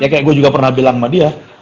ya kayak gua juga pernah bilang sama dia